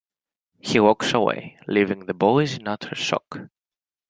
He walks away, leaving the boys in utter shock.